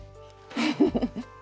フフフフ。